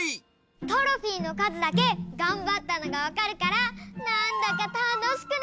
トロフィーのかずだけがんばったのがわかるからなんだかたのしくなってきた！